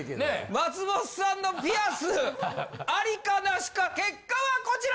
松本さんのピアスアリかナシか結果はこちら！